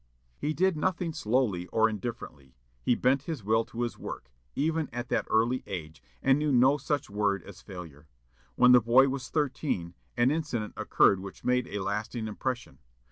He did nothing slowly nor indifferently. He bent his will to his work, even at that early age, and knew no such word as failure. When the boy was thirteen, an incident occurred which made a lasting impression.